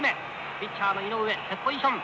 ピッチャーの井上セットポジション。